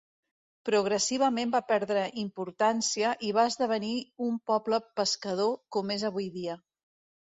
Progressivament va perdre importància i va esdevenir un poble pescador com és avui dia.